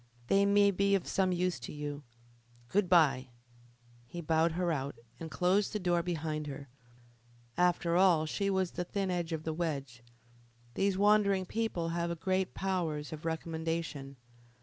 They may be of some use to you. Good bye!" He bowed her out, and closed the door behind her. After all she was the thin edge of the wedge. These wandering people have great powers of recommendation.